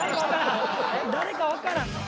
「誰かわからん」